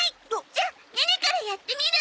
じゃあネネからやってみる！